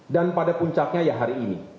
dan pada puncaknya ya hari ini